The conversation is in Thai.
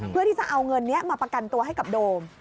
เพื่อที่จะเอาเงินนี้มาประกันตัวให้กับโดม